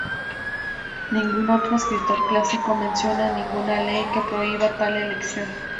Ningún otro escritor clásico menciona ninguna ley que prohibía tal elección.